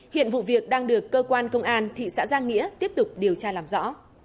hiện vụ việc đang được cơ quan công an thị xã giang nghĩa tiếp tục điều tra làm rõ